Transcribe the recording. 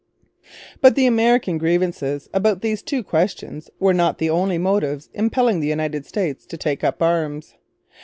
But the American grievances about these two questions were not the only motives impelling the United States to take up arms.